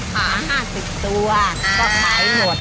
หา๕๐ตัวก็ขายหมด